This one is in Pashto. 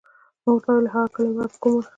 ما ورته وویل: هغه کله ولاړه، په کوم وخت؟